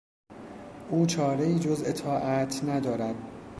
او چارهای جز اطاعت ندارد.